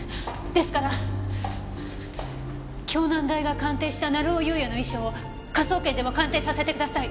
ですから京南大が鑑定した成尾優也の遺書を科捜研でも鑑定させてください。